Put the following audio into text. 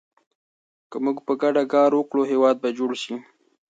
که موږ په ګډه کار وکړو، هېواد به جوړ شي.